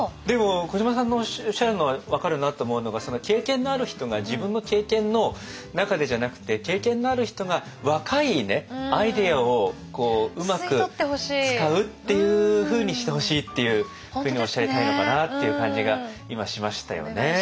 でも小島さんのおっしゃるのは分かるなと思うのがその経験のある人が自分の経験の中でじゃなくて経験のある人が若いアイデアをうまく使うっていうふうにしてほしいっていうふうにおっしゃりたいのかなっていう感じが今しましたよね。